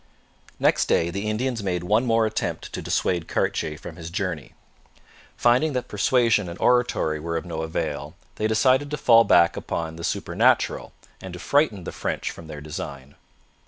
Next day the Indians made one more attempt to dissuade Cartier from his journey. Finding that persuasion and oratory were of no avail, they decided to fall back upon the supernatural and to frighten the French from their design.